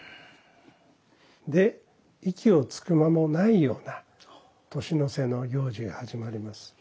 で息をつく間もないような年の瀬の用事が始まります。